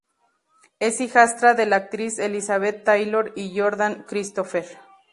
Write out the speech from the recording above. Es hijastra de la actriz Elizabeth Taylor y Jordan Christopher.